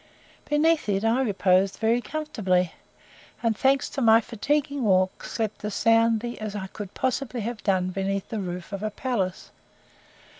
Beneath it I reposed very comfortably; and, thanks to my fatiguing walk, slept as soundly as I could possibly have done beneath the roof of a palace.